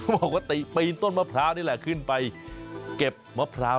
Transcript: บอกว่าไปยินต้นมะพร้านี่แหละขึ้นไปเก็บมะพร้าว